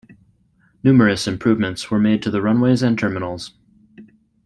Numerous improvements were made to the runways and terminals.